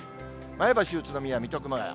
前橋、宇都宮、水戸、熊谷。